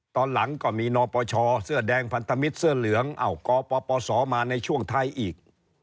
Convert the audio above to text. ตอนหลังก็มีนปชเสื้อแดงพันธมิตรเสื้อเหลืองกปปศมาในช่วงท้ายอีก